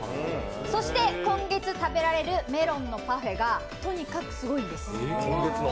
そして今月食べられるメロンのパフェがとにかくすごいんです。